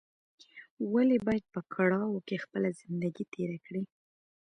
ولې باید په کړاوو کې خپله زندګي تېره کړې